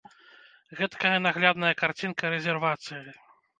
Гэткая наглядная карцінка рэзервацыі.